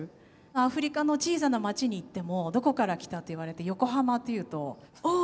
アフリカの小さな町に行ってもどこから来た？と言われて横浜と言うとオー！